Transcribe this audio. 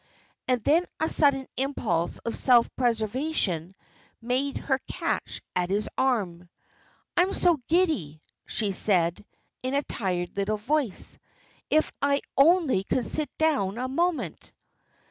And then a sudden impulse of self preservation made her catch at his arm. "I am so giddy," she said, in a tired little voice. "If I only could sit down a moment!"